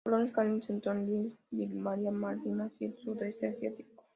Los colonos Kalinga sentó en Sri Lanka, Birmania, Maldivas y el sudeste asiático.